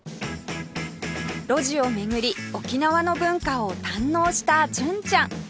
路地を巡り沖縄の文化を堪能した純ちゃん